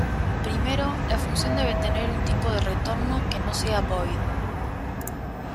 Primero, la función debe tener un tipo de retorno que no sea void.